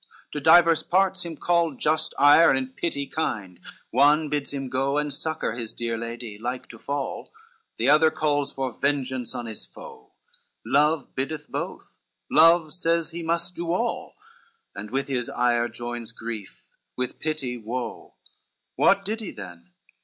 to diverse parts him call Just ire and pity kind, one bids him go And succor his dear lady, like to fall, The other calls for vengeance on his foe; Love biddeth both, love says he must do all, And with his ire joins grief, with pity woe. What did he then?